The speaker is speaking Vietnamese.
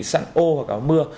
sẵn ô hoặc áo mưa